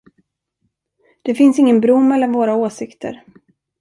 Det finns ingen bro mellan våra åsikter.